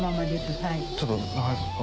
ちょっと。